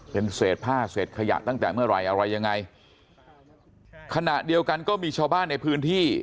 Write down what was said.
เป็นเศษผ้าเศษขยะตั้งแต่เมื่อไหร่อะไรยังไงขณะเดียวกันก็มีชาวบ้านในพื้นที่